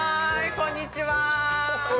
こんにちは。